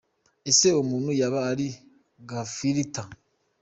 Ese uwo muntu yaba ari uyu Gafirita?